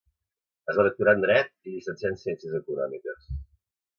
Es va doctorar en Dret i llicenciar en Ciències Econòmiques.